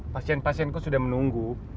pasien pasienku sudah menunggu